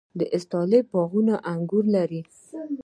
د استالف باغونه انګور لري.